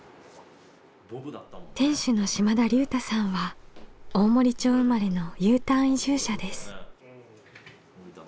店主の島田竜太さんは大森町生まれのＵターン移住者です。